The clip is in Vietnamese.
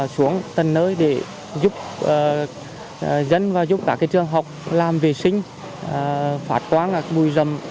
xuống tầng nơi để giúp dân và giúp cả trường học làm vệ sinh phát quang bùi rầm